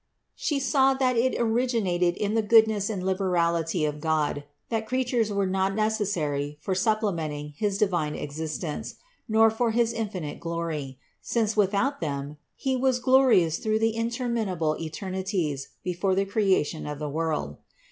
She saw that it originated in the goodness and liberality of God, that creatures were not necessary for supplementing his Divine existence, nor for his infinite glory, since without them He was glorious through the interminable eternities before the creation of the world.